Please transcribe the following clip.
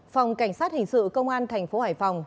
phòng cảnh sát hình sự công an thành phố hải phòng